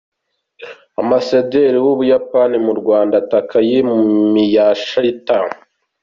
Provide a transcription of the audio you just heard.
Ambasaderi w'u Buyapani mu Rwanda Takayuki Miyashita.